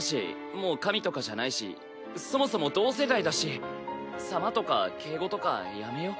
もう神とかじゃないしそもそも同世代だし「様」とか敬語とかやめよう。